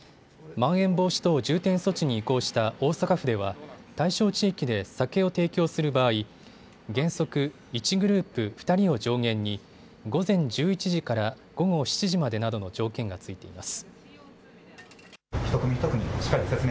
まん延防止等重点措置に移行した大阪府では対象地域で酒を提供する場合、原則、１グループ２人を上限に午前１１時から午後７時までなどの条件が付いています。